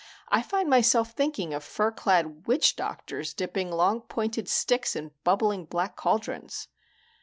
I find myself thinking of fur clad witch doctors dipping long pointed sticks in bubbling black cauldrons.